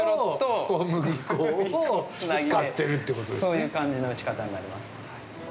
そういう感じの打ち方になります。